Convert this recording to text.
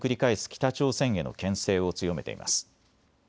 北朝鮮へのけん制を強めています。